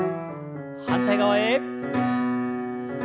反対側へ。